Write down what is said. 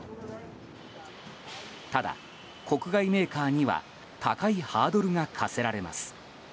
ただ、国外メーカーには高いハードルが課せられます。